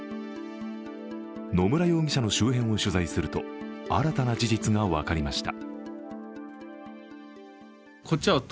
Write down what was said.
野村容疑者の周辺を取材すると新たな事実が分かりました。